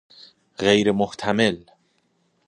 غیر محتمل